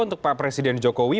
untuk pak presiden jokowi